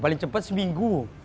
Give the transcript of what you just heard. paling cepat seminggu